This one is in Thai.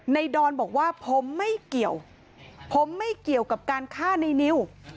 ดอนบอกว่าผมไม่เกี่ยวผมไม่เกี่ยวกับการฆ่าในนิว